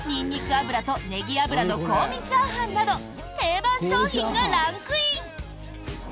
油とネギ油の香味チャーハンなど定番商品がランクイン。